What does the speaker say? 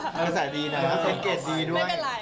ใช่ระแสดีนะระเวนเกจดีด้วย